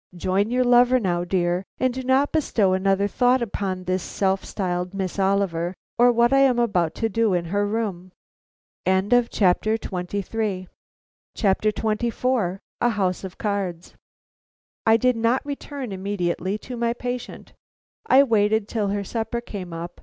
Join your lover now, dear; and do not bestow another thought upon this self styled Miss Oliver or what I am about to do in her room." XXIV. A HOUSE OF CARDS. I did not return immediately to my patient. I waited till her supper came up.